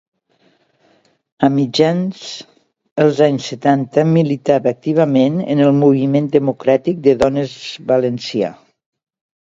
A mitjans els anys setanta militava activament en el Moviment Democràtic de Dones valencià.